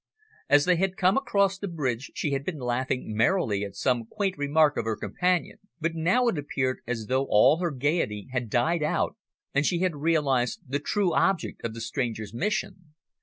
As they had come across the bridge she had been laughing merrily at some quaint remark of her companion's, but now it appeared as though all her gaiety had died out and she had realised the true object of the stranger's mission.